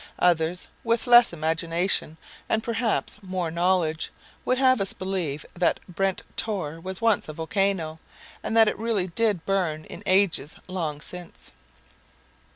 Others with less imagination and perhaps more knowledge would have us believe that Brent Tor was once a volcano, and that it really did burn in ages long since.